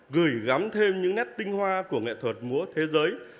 gửi gắm thêm những nét tinh hoa của nghệ thuật múa thế giới